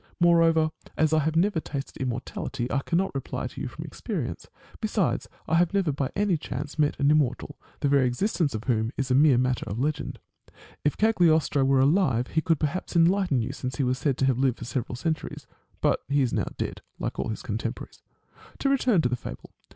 Moreover, as I have never tasted immortality, I cannot reply to you from experience. Besides, I have never by any chance met an immortal, the very existence of whom is 6o DIALOGUE BETWEEN A NATURAL PHILOSOPHER a mere matter of legend. If Cagliostro were alive, he could perhaps enlighten you, since he was said to have lived for several centuries. But he is now dead, like his contemporaries. To return to the fable.